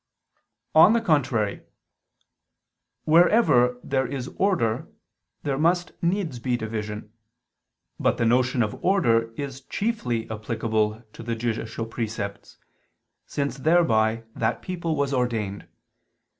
On the contrary, Wherever there is order there must needs be division. But the notion of order is chiefly applicable to the judicial precepts, since thereby that people was ordained.